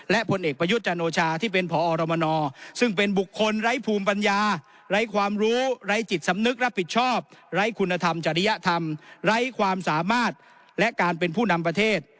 และผลเอกประยุทธ์จันโอชาที่เป็นผอรมนซึ่งเป็นบุคคลไร้ภูมิปัญญาไร้ความรู้ไร้จิตสำนึกรับผิดชอบไร้คุณธรรมจริยธรรมไร้ความสามารถและการเป็นผู้นำประเทศ